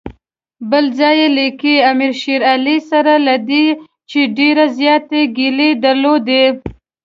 بل ځای لیکي امیر شېر علي سره له دې چې ډېرې زیاتې ګیلې درلودې.